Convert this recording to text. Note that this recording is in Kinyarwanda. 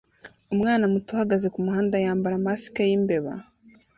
Umwana muto uhagaze kumuhanda yambara mask yimbeba